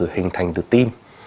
hình thành từ tim